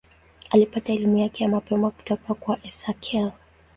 Alipata elimu yake ya mapema kutoka kwa Esakhel.